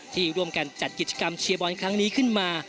ที่ร่วมกันจัดกิจกรรมเชียร์บอลครั้งนี้ขึ้นมา